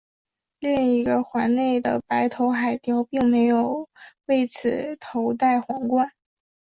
另一个环内的白头海雕并没有为此头戴皇冠。